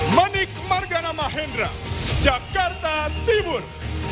manik margana mahendra jakarta timur